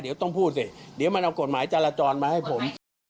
เดี๋ยวต้องพูดสิเดี๋ยวมันเอากฎหมายจราจรมาให้ผม